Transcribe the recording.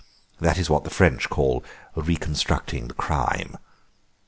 That is what the French call reconstructing the crime."